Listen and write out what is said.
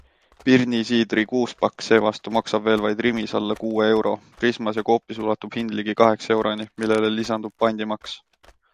Pirnisiidri kuuspakk seevastu maksab veel vaid Rimis alla kuue euro, Prismas ja Coopis ulatub hind ligi kaheksa euroni, millele lisandub pandimaks.